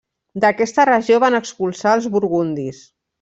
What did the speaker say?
D'aquesta regió van expulsar als burgundis.